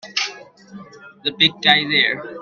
The big guy there!